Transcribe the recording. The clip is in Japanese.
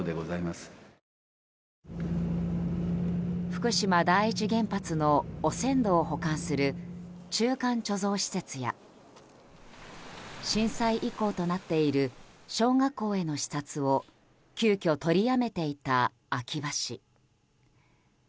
福島第一原発の汚染土を保管する中間貯蔵施設や震災遺構となっている小学校への視察を急きょ取りやめていた秋葉氏。